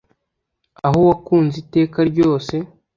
aho wakunze iteka ryose